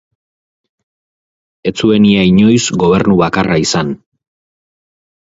Ez zuen ia inoiz gobernu bakarra izan.